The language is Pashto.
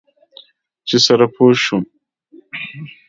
چې سره پوه شو.